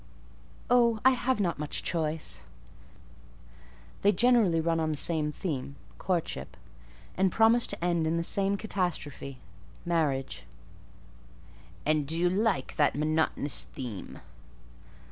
"Oh, I have not much choice! They generally run on the same theme—courtship; and promise to end in the same catastrophe—marriage." "And do you like that monotonous theme?"